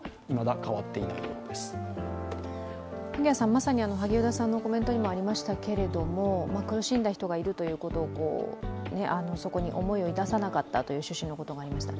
まさに萩生田さんのコメントにもありましたけども苦しんだ人がいるということをそこに思いをいたさなかったという趣旨がありました。